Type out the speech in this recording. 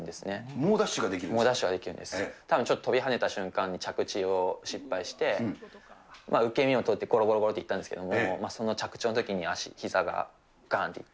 猛ダッシュができる、たぶん、ちょっと跳びはねた瞬間に着地を失敗して、受け身を取ってごろごろごろっていったんですけど、その着地のときにひざががんっていって。